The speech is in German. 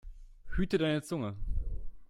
Hüte deine Zunge!